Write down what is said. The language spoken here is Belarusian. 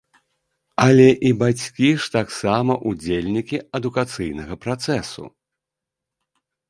Але і бацькі ж таксама ўдзельнікі адукацыйнага працэсу.